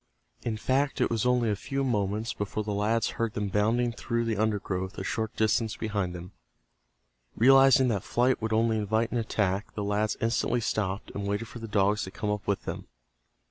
In fact it was only a few moments before the lads heard them bounding through the undergrowth a short distance behind them. Realizing that flight would only invite an attack, the lads instantly stopped and waited for the dogs to come up with them.